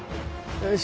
よし。